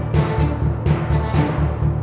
ที่สองนะครับ